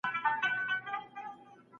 ښوونکی زدهکوونکو ته د دقیق فکر ارزښت ښيي.